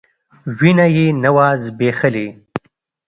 وينه يې نه وه ځبېښلې.